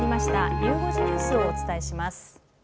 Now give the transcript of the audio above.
ゆう５時ニュースをお伝えします。